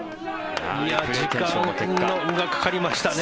時間がかかりましたね。